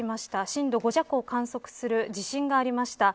震度５弱を観測する地震がありました。